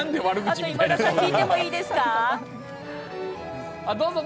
今田さん聞いてもいいですか？